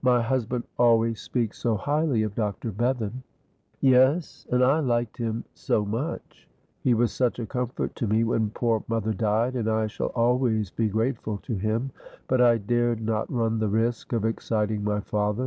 "My husband always speaks so highly of Dr. Bevan." "Yes, and I liked him so much. He was such a comfort to me when poor mother died, and I shall always be grateful to him, but I dared not run the risk of exciting my father.